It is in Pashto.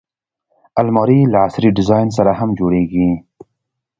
الماري له عصري ډیزاین سره هم جوړیږي